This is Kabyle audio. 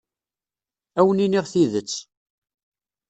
Ad awen-iniɣ tidet.